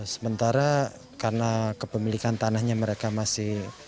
sementara karena kepemilikan tanahnya mereka masih